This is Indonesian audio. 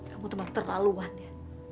kamu teman terlaluan ya